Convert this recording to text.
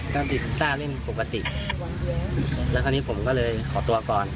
ก็ผิดท่าเล่นปกติแล้วคราวนี้ผมก็เลยขอตัวก่อน